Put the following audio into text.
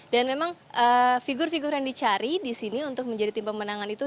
dan memang figur figur yang dicari di sini untuk menjadi tim pemenangan itu